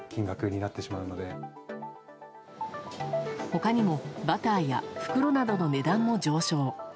他にもバターや袋などの値段も上昇。